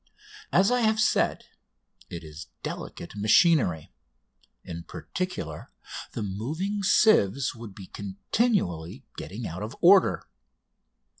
As I have said, it is delicate machinery. In particular, the moving sieves would be continually getting out of order.